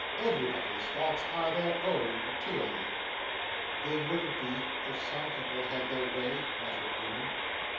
Everybody's thoughts are their own, clearly.' 'They wouldn't be, if some people had their way,' muttered Newman.